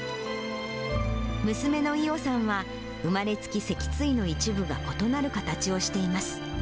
娘のいおさんは、生まれつき脊椎の一部が異なる形をしています。